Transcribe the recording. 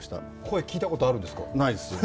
声、聞いたことあるんですか？